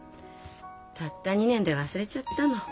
たった２年で忘れちゃったの？